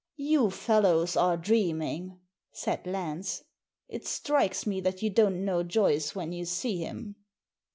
"You fellows are dreaming," said Lance. "It strikes me that you don't know Joyce when you see him."